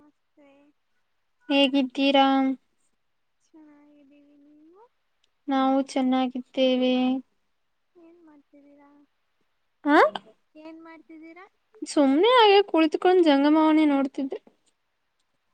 ಮತ್ತೆ ಹೇಗಿದ್ದೀರಾ ಚನ್ನಾಗ್ದೀಿ ನೀವು ನಾವು ಚೆನ್ನಾಗಿದ್ದೇವೆ ಏನ್ ಮಾಡ್ತಿದ್ದೀರಾ ಹಾ ಏನ್ ಮಾಡ್ತಿದ್ದೀರಾ ಸುಮ್ನೆ ಹಾಗೆ ಕುಳತ್ಕೊಂಡ್ ಜಂಗಮವನಿ ನೋಡ್ತಿ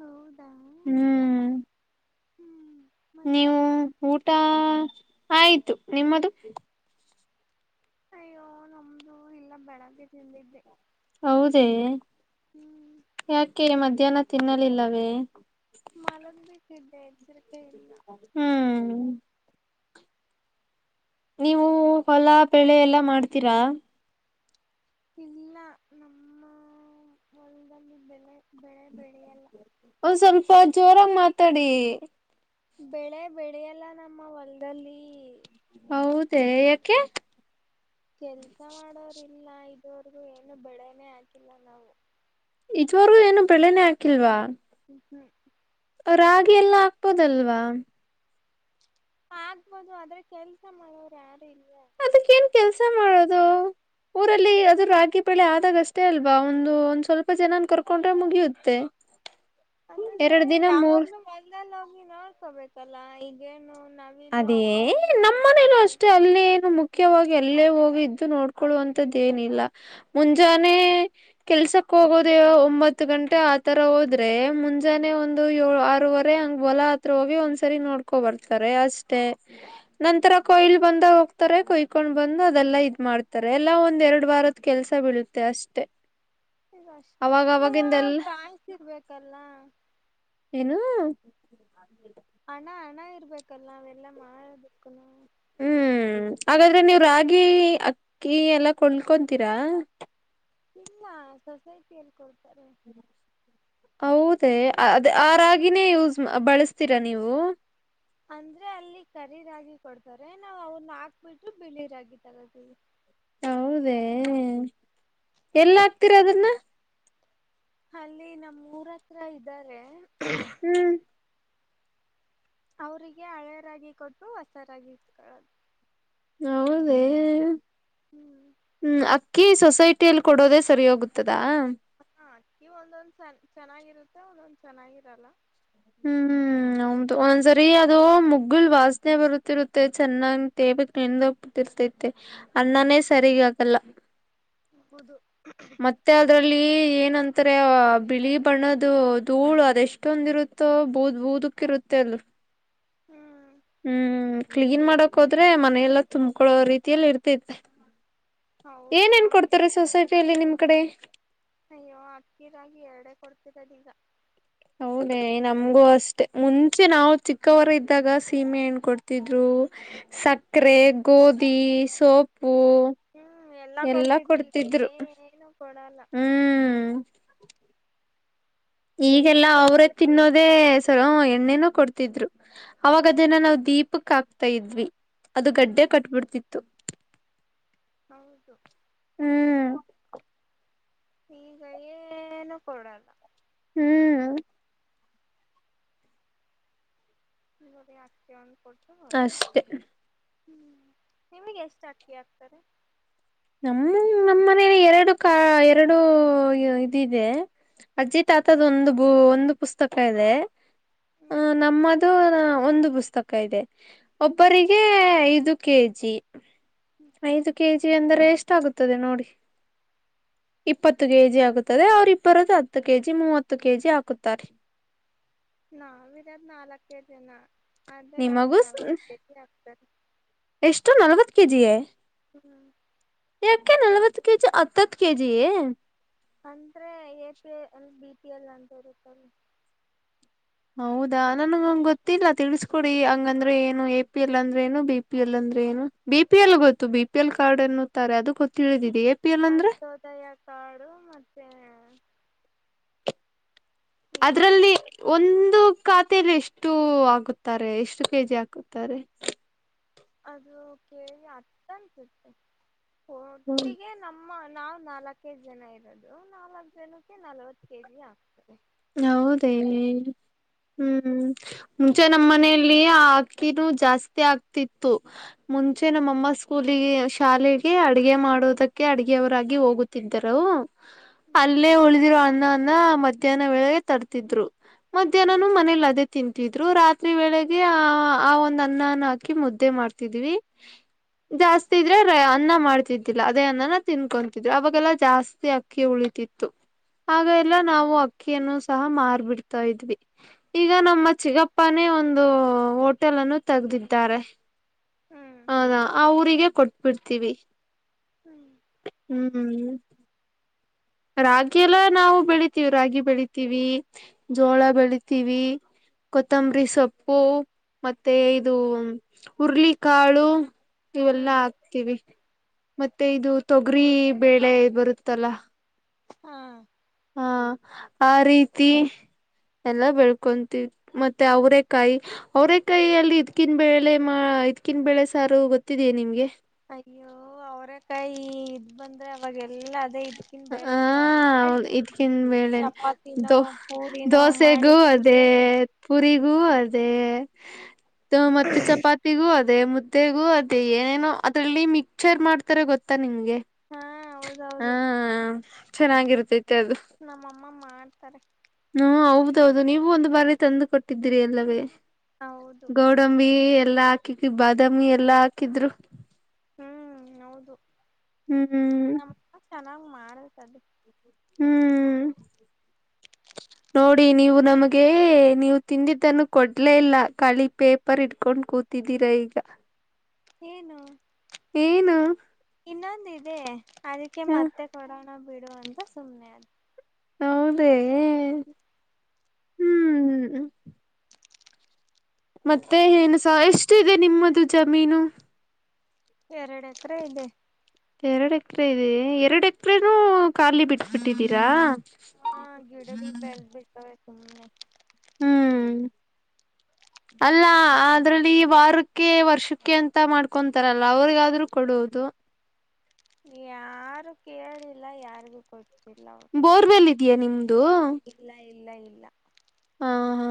ಹೌದಾ [unintelligible] ಹ್ಮ್ ಹ್ಮ್ ಮತ್ತೆ ನೀವು ಊಟ ಆಯ್ತು ನಿಮ್ಮದು ಅಯ್ಯೋ ನಮ್ದು ಇಲ್ಲ ಬೆಳಗ್ಗೆ ತಿಂದಿದ್ದೆ ಹೌದ ಹ್ಮ್ ಯಾಕೆ ಮಧ್ಯಾಹ್ನ ತಿನ್ನಲಿಲ್ಲವೇ ಮಾಲಕ ಬಿ ಕಸರ್ ಹ್ಮ್ ನೀವು ಹೊಲ ಬೆಳೆ ಎಲ್ಲ ಮಾಡ್ತೀರಾ ಇಲ್ಲ ನಮ್ಮ ಹೊಲದಲ್ಲಿ ಬೆಳೆ ಬೆಳೆ ಬೆಳೆಯಲ್ಲ ಒಂದ್ ಸ್ವಲ್ಪ ಜೋರ ಮಾತಾಡಿ ಬೆಳೆ ಬೆಳ ಎಲ್ಲ ನಮ್ಮ ಹೊಲದಲ್ಲಿ ಹೌದ ಯಏಕೆ ಕೆಲ್ಸ ಮಾಡೋರ್ಲ್ಲ ಇದೋರ್ಗ ಏನು ಬೆಳನೆೇ ಹಾಕಿಲ್ಲ ನಾವು ಇದುವರೆಗೂ ಏನು ಬೆಳೆನೇ ಹಾಕಿಲ್ವಾ ಹ್ಮ [inaudible] ರಾಗಿ ಎಲ್ಲಾ ಹಾಕ್ಬೋದಲ್ವಾ ಆಗ್ಬೋದು ಆದ್ರೆ ಕೆಲ್ಸ ಮಾಡೋರು ಯಾರು ಇಲ್ವಾ ಅದಕ್ಕ ಏನ್ ಕೆಲ್ಸ ಮಾಡೋದು ಊರಲ್ಲಿ ಅದ್ರ ರಾಗಿ ಬೆಳೆ ಆದಾಗ ಅಷ್ಟೇ ಅಲ್ವಾ ಒಂದು ಒಂದ್ ಸ್ವಲ್ಪ ಜನನ್ ಕರ್ಕೊಂಡ್ರೆ ಮುಗಿಯುತ್ತೆ ಹ [inaudible] ಅದನ್ನ ಯಾವಾಗ್್ರೂ ಮೊದ ಹೋಗಿ ನೋಡ್ಕೋಬೇಕಲ್ಲಾ ಈಗೇನು ನವಿಲು ಅದೇ ಅವು ಇವು ನಮ್ಮ್ ಮನೇಲೂ ಬರ್ತಿರ್ತ ಅಷ್ಟೆ ಅಲ್ಲಿ ನು ಮುಖ್ಯವಾಗಿ ಅಲ್ಲೇ ಹೋಗಿ ಇದ್ದು ನೋಡ್ಕೊೊಳ್ಳುವಂತದ್ದ ಏನಿಲ್ಲ ಮುಂಜಾನೆ ಕೆಲ್ಸಕ್ ಹೋಗೋದವ ಒಂಬತ್ತು ಗಂಟೆ ಆತರ ಹೋದ್ರೆ ಮುಂಜಾನೆ ಒಂದು ಏಳ್ ಆರವರೆ ಹೊಲ ಹತ್ರ ಹೋಗಿ ಒಂದ್ಸರಿ ನೋಡ್ಕೊ ಬರ್ತಾರೆ ಅಷ್ಟೇ ನಂತರ ಕೊಯ್ಲ್ ಬಂದ ಹೋಗ್ತಾರೆ ಕೊಯ್ಕೊಂಡ್ ಬಂದು ಅದೆಲ್ಲಾ ಇದ್ ಮಾಡ್ತಾರೆ ಎಲ್ಲಾ ಒಂದ್ ಎರಡು ಕೆಲ್ಸ ಬೀಳುತ್ತೆ ಅಷ್ಟೆ ಈಗ ಅವಾಗ ಅಷ್ಟಕ್ಕೂ ಅವಾಗಿಂದೆಲ್ಲ ಕಾಯ್ಸಿರ್ಬೇಕಲ್ಲ ಏನು ಹಣಾ ಹಣ ಇರ್ಬೇಕಲ್ಲಾ ವಲ್ಲ ಮಾಡಳ ಬಕ್ಕನು ಹ್ಮ್ ಹಾಗಾದ್ರೆ ನೀವು್ ರಾಗಿ ಅಕ್ಕಿ ಎಲ್ಲಾ ಕೊಡ್ಕೊತೀರಾ ಇಲ್ಲ ಸೊಸೈಟಿಲ್ಲಿ ಕೊಡ್ತಾರೆ ಹೌದೇ ಅದ ಆ ರಾಗಿಿನೇ ಯೂಸ್ ಬಳಸ್ತೀರಾ ನೀವು ಅಂದ್ರೆ ಅಲ್ಲಿ ಕರೀರಾಗಿ ಕೊಡ್ತಾರೆ ನಾವವು ಅವನ್ನ ಹಾಕ್ಬಿಟ್ಟು ಬಿಳಿ ರಾಗಿ ತಗತೀವಿ ಹೌದೇ ಎಲ್ಲ ಹಾಕ್ತಿೀರ ಅದನ್ನ ಅಲ್ಲಿ ನಮ್ಮ್ ಊರ ಹತ್ರ ಇದ್ದಾರೆ ಹ್ಮ್ ಅವರಿಗೆ ಹಳೆಯ ರಾಗಿ ಕೊಟ್ಟು ಹೊಸ ರಾಗಿ ಹೌದೇ ಹ್ಮ್ ಹ್ಮ ಕಿ ಸೊಸೈಟಿಯಲ್ಲಿ ಕೊಡೋದೇ ಸರಿಯೋಗುತ್ತದಾ ಹಾ ಅಕ್ಕಿ ಒಂದೊಂದ್ ಸನ್ ಚೆನ್ನಾಗಿರುತ್ತೆ ಒಂದೊಂದ್ ಚೆನ್ನಾಗಿರಲ್ಲ ಹ್ಮ್ ಹ್ಮ್ ನಮ್ದು ಒಂದ್ಸರಿ ಅದು ಮುಗ್ಗುಲ್ ವಾಸನೆ ಬರುತ್ತಿರುತ್ತೆ ಚೆನ್ನಾಗ ತೇಬೇಕಕ್ ನಿನ್ದ ರ್ತೈತೆೆ ಅಣ್ಣನೇ ಸರಿಗ ಆಗಲ್ಲ ಹೌದು ಮತ್ತೆ ಅದ್ರಲ್ಲಿ ಏನಂತಾರೆ ಬಿಳಿ ಬಣ್ಣದು ಧೂಳು ಅದೆಷ್ಟೊಂದಿರುತ್ತೆ ಬೌದ್ ಬೂದಕ್ಕ ಇರುತ್ತೆ ಅಲ್ ಹ್ಮ್ ಹ್ಮ್ ಕ್ಲೀನ್ ಮಾಡಕ್ ಹೋದ್ರೆ ಮನೆಯೆಲ್ಲಾ ತುಂಬ್ಕೊಳೋ ರೀತಿಯಲ್ಲಿ ಇರ್ತೇತೆ ಹೌದು ಏನ್ ಏನ್ ನಮ್ ಕೊಡ್ತಾರೆ ಸೊಸೈಟಿಯಲ್ಲಿ ನಿಮ್ ಕಡೆ ಅಯ್ಯೋ ಅಕ್ಕಿ ರಾಗಿ ಎರಡೆೇ ಕೊಡ್ತರದ ಈಗ ಹೌದೇ ನಮಗೂ ಅಷ್ಟೆ ಮುಂಚೆ ನಾವು ಚಿಕ್ಕವರ ಇದ್ದಾಗ ಸೀಮೆ ಹೆ್ಣ್ ಕೊಡ್ತಿದ್ರು ಸಕ್ಕರೆ ಗೋಧಿ ಸೋಪು ಹ್ಮ್ ಎಲ್ಲಾ ಕೊಡ್ತಿದ್್ರಿ ಈಗ ಏನು ಕೊಡಲ್ಲ ಹ್ಮ್ ಎಣ್ಣೆ ಈಗೆಲ್ಲ ಅವ್ರೇ ಕೊಡ್ತಿದ್ರು ತಿನ್ನೋದೇ ಸರೋ ಎಣ್ಣೆನ ಕೊಡ್ತಿ ಅವಾಗ ಹ್ಮ್ ಅದೇನ ನಾವ್ ದೀಪಕ್ ಹಾಕ್ತಾ ಇದ್ವಿ ಅದು ಗಡ್ಡೆ ಹ್ಮ್ ಕಟ್ಬಿಡ್ತಿ ಮತ್ತು ಹೌದು ಹ್ಮ್ ಈಗ ಏನು ಕೊಡಲ್ಲ ಹ್ಮ್ ದ ಆಚಡ್ತ ಅಷ್ಟೇ ಹ್ಮ್ ನಿಮಗೆ ಎಷ್ಟು ಅಕ್ಕಿ ಆಗ್ತಾರೆ ನಮ್ಮ ನಮ್ಮ ಮನೇಲಿ ಎರಡು ಕ ಎರಡು ಇದದೆ ಅಜಿತ್ ಆತದ ಒಂದು ಬ ಒಂದು ಪುಸ್ತಕ ಇದೆ ಹ ಹ್ಮ್ ನಮ್ಮದು ಒಂದು ಪುಸ್ತಕ ಇದೆ ಹ್ಮ್ ಒಬ್ಬರಿಗೆ ಇ ಕೆಜಿ ಐದು ಕೆಜಿ ಅಂದರೆ ಎಷ್ಟ ಆಾಗುತ್ತದೆ ನೋಡಿ ಇಪ್ಪತ್ತು ಕೆ ಜಿ ಆಗುತ್ತದೆ ಅವ್ರ ಇಬ್ಬರ್ದ ಹತ್ತು ಕೆ ಜಿ ಮೂವತ್ತು ಕೆ ಜಿ ಹಾಕುತ್ತಾರೆ ನಾಾವರಾದ್ ನಾಲ್ಕು ಕೆ ಜಿನಾ ಆದೇ ನಮ್ಗೆ ನಿಮಗೂ ನಲ್ವತ್ತು ಕೆ ಜಿ ಆಗ್ತಾರೆ ಎಷ್ಟೋ ನಲ್ವತ್ತು ಕೆ ಜಿೇ ಹ್ಞೂ ಯಾಕ ನಲ್ವತ್ತು ಕೆಜಿ ಹತ್ತತ್ತು ಕೆಜಿ ಅಂದ್ರೆ A P B P L ಅಂತ ಇರುತ್ತಲ್ ಹೌದಾ ನನ್ಗಂಗಗೆ ಗೊತ್ತಿಲ್ಲ ತಿಳಿಸಕೊಡಿ ಹಂಗಂದ್ರೆ ಏನು ಎ ಪಿ ಎಲ್ ಅಂದ್ರೆ ಏನು ಬಿ ಪಿ ಎಲ್ ಅಂದ್ರೆ ಏನು ಬಿ ಪಿ ಎಲ್ ಗೊತ್ತು ಬಿ ಪಿ ಎಲ್ ಕಾರ್ಡ್ ಅನ್ನುತ್ತಾರೆ ಅದು ಗೊ ತಿಳಿದಿದೆ ಎ ಪಿ ಎಲ್ ಅಂದ್ರೆ ಅಂಂತೋದಯ ಕಾಡು ಮತ್ತೆ ಈಗ ಅದ್ರಲ್ಲಿ ಒಂದು ಖಾತೆಲಿ ಎಷ್ಟು ಆಗುತ್ತಾರೆ ಎಷ್ಟು ಕೆಜಿ ಹಾಕುತ್ತಾರೆ ಅದು ಕೇಳಿ ಹತ್ತ ಅನ್ಸುತ್ತೆ ಹ್ಮ್ ಒಟ್ಟಿಗೆ ನಮ್ಮ ನಾ್ ನಾಲ್ಕ ಕೆ ಜಿ ಜನ ಇರೋದು ನಾಲ್ಕ್ು ಜನಕ್ಕೆ ನಲ್ವತ್ ಕೆ ಜಿ ಆಗ್ತದೆ ಹೌದೇನೆ ಹ್ಮ್ ಮುಂಚೆ ನಮ್ಮ ಮನೆಯಲ್ಲಿ ಆ ಅಕ್ಕಿನೂ ಜಾಸ್ತಿ ಆಗ್ತಿತ್ತು ಮುಂಚೆ ನಮ್ಮಅಮ್ಮ ಸ್ಕೂಲ್ ಅಲ್ಲಿ ಶಾಲೆಗೆ ಅಡಗೆ ಮಾಡೋದಕ್ಕೆ ಅಡಗೆವರಾಗಿ ಹೋಗುತ್ತಿದ್ದರವು ಹ್ಮ್ ಅಲ್ಲೇ ಉಳಿದಿರೋ ಅನ್ನ ಅನ್ನ ಮಧ್ಯಾಹ್ನ ವೇಳೆಗೆ ತಡ್ತಿದ್ರು ಮಧ್ಯಾಹ್ನನು ಹ್ಮ್ ಮನೇಲಿ ಅದೇ ತಿಂತಿದ್ರು ರಾತ್ರಿ ವೇಳೆಗೆ ಆ ಆ ಒಂದ್ ಅನ್ನನ್ನ ಹಾಕಿ ಮುದ್ದೆ ಮಾಡ್ತಿದ್ವಿ ಜಾಸ್ತಿ ಇದ್ರೆ ಅನ್ನ ಮಾಡ್ತಿದ್ದಿಲ್ಲ ಅದೇ ಅನ್ನನ ತಿನ್ಕೊತಿದ್ರು ಅವಾಗೆಲ್ಲಾ ಜಾಸ್ತಿ ಆಗ್ತ ಅಕ್ಕಿ ಉಳಿತಿತ್ತು ಆಗ ಎಲ್ಲ ಹ್ಮ್ ನಾವು ಅಕ್ಕಿಯನ್ನು ಸಹ ಮಾರ್ಬಿಡ್ತಾ ಇದ್ವಿ ಈಗ ನಮ್ಮ ಹ್ಮ್ ಚಿಗಪ್ಪನೇ ಒಂದು ಒ ಹೋಟೆಲ್ ಅನ್ನು ತಗದಿದ್ದಾರೆ ಹ್ಮ್ ಹದ ಆ ಊರಿಗೆ ಕೊಟ್ಟ ಬಿಡ್ತೀವಿ ಹ್ಮ್ ಹ್ಮ್್ಮ ರಾಗಿ ಎಲ್ಲ ನಾವು ಬೆಳಿತೀವಿ ರಾಗಿ ಬೆಳಿತೀವಿ ಜೋಳ ಬೆಳಿತೀವಿ ಕೊತ್ತಂಬರಿ ಸೊಪ್ಪು ಮತ್ತೆ ಇದು ಹುರ್ಳಿಕಾಳು ಇವೆಲ್ಲಾ ಹ್ಮ್ ಹಾಕ್ತೀವಿ ಮತ್ತೆ ಇದು ತೊಗರಿ ಬೇಳೆ ಬರುತ್ತಲ್ಲ ಹಾ ಹಾ ಆ ರೀತಿ ಎಲ್ಲ ಬೆಳ್ಕೊಂತೀ ಮತ್ತೆ ಅವ್ರ ಕಾಯಿ ಅವರೇ ಕೈ ಅಲ್ಲಿ ಇದ್ಕಿನ್ ಬೆೇಳೆ ಮಾ ಇದ್ಕಿನ್ ಬೆೇಳೆ ಸಾರು ಗೊತ್ತಿದೆಯೇ ನಿಮಗೆ ಅಯ್ಯೋ ಅವರ ಕಾಯಿ ಇದ್ ಬಂದ್ರೆ ಅವಾಗೆಲ್ಲಾ ಇ್ಕ ಹಾ ಬೆೇಳೆ ಸಾರ್ ಮಾಡ ಹೌದು, ಇದ್ಕಿನ್ ಬೇಳೆನೆ ಚಪಾತಿನೋ ದೋ ಪೂರಿ ನೋ ದೋಸೆಗೂ ಮಾಡಿ ಅದೇ ಅಂದ್ರೆ ಪುರಿಗೂ ಅದೇ ಮತ್ತೆ ಚಪಾತಿಗೂ ಅದೇ ತೆಗು ಅದೇ ಏನೇನೋ ಅದ್ರಲ್ಲಿ ಮಿಕ್ಚರ್ ಮಾಡ್ತಾರೆ ಗೊತ್ತಾ ನಿಂಗೆ ಹಾೌ ಹಾ ಚೆನ್ನಾಗಿರ್ತೈತಿ ಅದು ನಮ್ಮಮ್ಮ ಮಾಡ್ತಾರೆ ಹ್ಮ ಹೌದೌದು ನೀವು ಒಂದು ಬಾರಿ ತಂದು ಕೊಟ್ಟಿದ್ದ್ರರಿ ಎಲ್ಲವೇ ಹೌದು ಗೌಡಂಬಿ ಎಲ್ಲಾ ಹಾಕಿಕ ಬಾದಾಮಿ ಎಲ್ಲಾ ಹಾಕಿದ್ರು ಹ್ಮ್ ಹೌದು ಹ್ಮ್್ಮ ನಮ್ಮ ಚೆನ್ನಾಗ್ ಮಾಡತದ ಹ್ಮ್ ನೋಡಿ ನೀವು ನಮಗೆ ನೀವು ತಿಂದಿದ್ದನ್ನು ಕೊಡ್ಲೇ ಇಲ್ಲ ಕಳಿ ಪೇಪರ್ ಇಡ್ಕೊಂಡ್ ಕೂ ತಿದ್ದಿರ ಈಗ ಏನು ಏನು ಇನ್ನೊಂದ ಇದೆ ಅದಕ್ಕೆ ಹ ಮತ್ತೆ ಕೊೋಡೋಣ ಬಿಡು ಅಂತ ಸುಮ್ಮನೆ ಅ ಹೌದ ಹ್ಞ ಮತ್ತೆ ಏನುಸ ಎಷ್ಟ ಇದೆ ನಿಮ್ಮದು ಜಮೀನು ಎರಡು ಎಕರ ಇದೆ ಎರಡು ಎಕರೆ ಇದೆ ಎರಡು ಎಕರೆನೂ ಕಖಾಲಲ್ಲಿ ಬಿಟ್ಟ ಬಿಿಟ್ಟಿದ್ದೀರಾ ಹಾ ಗಿಡಗಳು ಬೆಲ್ ಬಿಡ್ತಾವವೆ ತುಮ್ಮ್ನೆ ಹ್ಮ್ ಅಲ್ಲ ಅದ್ರಲ್ಲಿ ವಾರಕ್ಕೆ ವರ್ಷಕ್ಕೆ ಅಂತ ಮಾಡ್ಕೊಂತಾರಲ್ಲ ಅವರಿಗಾದ್ರರು ಕೊಡುವುದು ಯಾರು ಕೇಳಿಲ್ಲ ಯಾರಿಗೂ ಕೊಟ್ಟ ಬೋರ್ವೆಲ್ ಇದೆಯಾ ನಿಮ್ದು ಇಲ್ಲ ಇಲ್ಲ ಇಲ್ಲ ಹ ಹಾ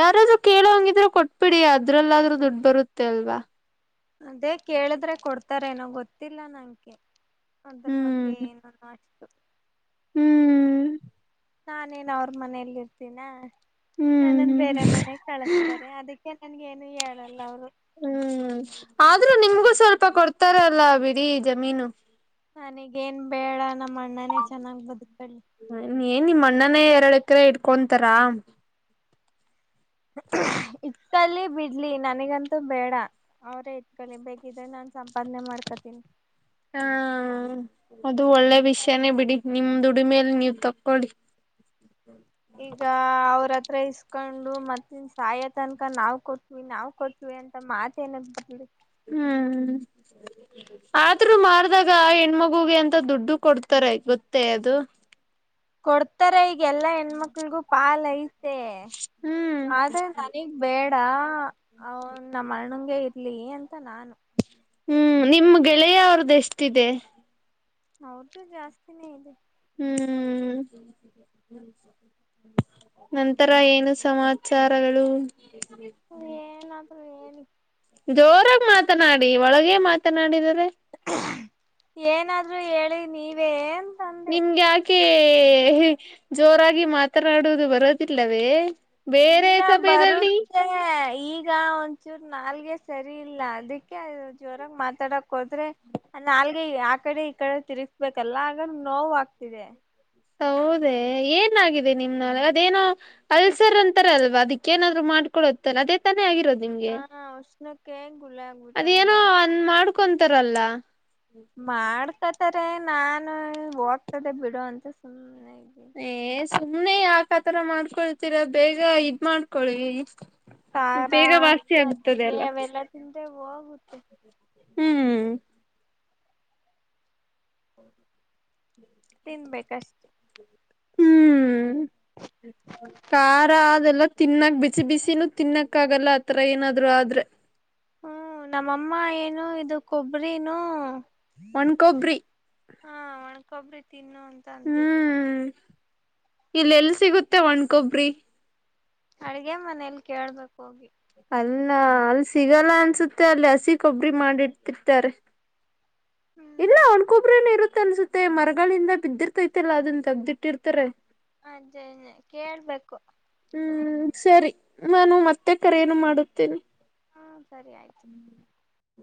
ಯಾರಾದ್ರೂ ಕೇಳೋ ಹಂಗಿದ್ರೆ ಕೊಟ್ಬಿಡಿ ಅದ್ರಲ್ಲಾದ್ರೂ ದುಡ್ಡು ಬರುತ್ತೆ ಅಲ್ವಾ ಅದೇ ಕೇಳಿದ್ರೆ ಕೊಡ್ತಾರೇನೋ ಗೊತ್ತಿಲ್ಲ ನನ್ಗೆ ಅದ್ರ ಬಗ್ಗೆ ಹ್ಮ್ ಏನ ಏನೋ ಅನಿಸಿತು ಹ್ಮ್ ನಾನೇನ್ ಅವ್ರ ಮನೇೆಯಲ್ಲಿ ಇರ್ತೀನಾ ನನ್ನನ್ ಹ್ಮ್ ಬೇರೆ ಮನೆಗ್ ಹ್ಮ್ ಕಳಸ್ತಾರೆ ಅದಕ್ಕೆ ನನ್ಗ ಏನು ಹೇಳಲ್ಲ ಅವರು ಹ್ಮ್ ಆದ್ರೂ ನಿಮ್ಗೂ ಸ್ವಲ್ಪ ಕೊಡ್ತಾರಲ್ಲ ಬಿಡಿ ಜಮೀನು ನನಗೇನ್ ಬೇಡ ನಮ್ಮ ಅಣ್ಣನೇ ಚೆನ್ನಾಗ್ ಬದುಕೊಳ್ಳಿ ಹ ಏನ್ ನಿಮ್ಮ ಅಣ್ಣನೇ ಎರಡು ಎಕರೆ ಇಟ್ಕೊಂತಾರ [unintelligible] ಇಟ್ಕೊಳ್ಳಿ ಬಿಡ್ಲಿ ನನಗಂತೂ ಬೇಡ ಅವ್ರೇ ಇಟ್ತ್ಕೊಳ್ಳಳಿ ಬೇಗಿದ್ರ ನಾನ್ ಸಂಪಾದನೆ ಮಾಡ್ಕತೀನಿ ಹಾ ಅದು ಒಳ್ಳೆ ವಿಷಯಾನೇ ಬಿಡಿ ನಿಮ ದುಡಿಮೇಲೆ ನೀವ್ ತಕ್ಕೊಳ್ಳಿ ಈಗ ಅವ್ರತ್ರ ಇಸ್ಕೊಂಡು ಮತ್ತನ ಸಾಯೋ ತನಕ ನಾವ್ ಕೊಟ್ಟ ನಾವು ಕೊಟ್ವಿ ಅಂತ ಮಾತ ಏನದ್ ಬಿಡು ಹ್ಮ್ ಆದ್ರೂ ಮಾಡ್ದಾಗ ಆ ಹೆಣ್ಮಗುಗೆ ಅಂತ ದುಡ್ಡು ಕೊಡ್ತಾರೆ ಗೊತ್ತೇ ಅದು ಕೊಡ್ತಾರೆ ಈಗ ಎಲ್ಲಾ ಹೆಣ್ಮಕ್ಳಗೂ ಪಾಲ್ ಐತೆೆ ಹ್ಮ್ ಆದ್ರೆ ನನಗ್ ಬೇಡ ಅವನು ನಮ್ಮ ಅಣ್ಣಗೆ ಇರ್ಲಿ ಅಂತ ನಾನು ಹ್ಮ್ ನಿಮ್ ಗೆಳೆಯ ಅವರುದು ಎಷ್ಟಿದೆ ಅವರದು ಜಾಸ್ತಿನೇ ಇದೆ ಹ್ಮ್ ನಂತರ ಏನು ಸಮಾಚಾರಗಳು [unintelligible] ಎನ್ ಆದ್ರೂ ಹೇಳಿ ಜೋರಾಗಿ ಮಾತನಾಡಿ ಒಳಗೆ ಮಾತನಾಡಿದರೆ ಏನಾದ್ರೂ ಹೇಳಿ ನೀವೇ ಅಂತಂದೆ ನಿಮ್ಗ ಯಾಕೆ ಜೋರಾಗಿ ಮಾತನಾಡುವುದು ಬರೋದಿಲ್ಲವೇ ಬೇರೆ ಇಲ್ಲ ಸಮಯದಲ್ಲಿ ಬರುತ್ತೆ ಈಗ ಈಗ ಒಂಚೂರ್ ನಾಲ್ಗೆ ಸರಿ ಇಲ್ಲ ಅದಕ್ಕೆ ಜೋರಾಗ ಮಾತಾಡಕ್ ಹೋದ್ರೆ. ನಾಲ್ಗೆ ಆ ಕಡೆ ಈ ಕಡೆ ತಿರ್ಗ್ಬೇಕಲ್ಲ ಆಗ ನೋವು ಆಗ್ತಿದೆ ಹೌದೆ ಏನಾಗಿದೆ ನಿಮ ನಾಲಿಗೆ ಅದೇನೋ ಉಷ್ ಅಲ್ಸರ್ಂತ ರ ಅಲ್ವಾ ಅದಕ್ಕೇನಾದರು ಮಾಡ್ಕೊತ್ತ ಅದೇ ತಾನೇ ಆಗಿರೋದು ನಿಮ್ಗೆ ಹಾ ಉಷ್ಣಕ್ಕೆ ಗುಲಾಬ್ ಅದೇನೋ ಅ ಮಾಡ್ಕೊಂತಾರಲ್ಲಾ ಮಾಡ್ಕೊತಾರೆ ನಾನು ಹೋಗ್ತದೆ ಬಿಡು ಅಂತ ಸುಮ್ಮನೆ ಇದೆ. ಏ ಸುಮ್ನೆ ಯಾಕ ಆತರ ಮಾಡ್ಕೊಳ್ತೀರಾ ಬೇಗ ಇದ್ ಮಾಡ್ಕೊಳ್ಳಿ. ಖಾರ ಮಜ್ಜಿಗೆ ಅವೆಲ್ಲ ತಿಂದ್ರೆ ಹೋಗುತ್ತೆ ಹ್ಮ್ ತಿನ್ಬೇಕಷ್ಟ ಹ್ಮ್ ಖಾರ ಅದೆಲ್ಲ ತಿನ್ನಕ್ ಬಿಸಿ ಬಿಸಿನೂ ತಿನ್ನಕ್ ಆಗಲ್ಲ ಆತರ ಏನಾದ್ರು ಆದ್ರೆ ಹ್ಮ್ ನಮ್ಮಮ್ಮ ಏನು ಇದು ಕೊಬ್ಬರಿನುೂ ಒಣ್ಕೊಬ್ರಿ ಹಾ ಒಣಕೊಬ್ರಿ ತಿನ್ನು ಅಂತ ಅಂತಿದ್ರು ಇಲ್ಲ ಎಲ್ಲಿ ಸಿಗುತ್ತೆ ಒಣ್ಕೊಬ್ರಿ ಅಡ್ಗೆ ಮನೇಲಿ ಕೇಳ್ಬೇಕಕ್ ಹೋಗಿ ಅಲ್ಲ ಅಲ್ಲಿ ಸಿಗಲ್ಲ ಅನ್ಸುತ್ತೆ ಅಲ್ಲಿ ಹಸಿ ಕೊಬ್ಬರಿ ಮಾಡಿಡ್ತಿರ್ತಾರೆ ಇಲ್ಲ ಹ್ಮ್ ಅವನ್ಕೊಬ್ರೇನ ಇರುತ್ತ ಅನ್ಸುತ್ತೆ ಮರಗಳಿಂದ ಬಿದ್ದಿರ್ತೈತೆಲ್ಲಾ ಅದನ್ ತಗ್ದಿಟ್ಟಿರ್ತಾರೆ ಅದ ಕೇಳ್ಬೇಕು ಹ್ಮ್ ಸರಿ ನಾನು ಮತ್ತೆ ಕರ ಏನು ಮಾಡುತ್ತೇನೆ ಹಾ ಸರಿ ಆಯ್ತು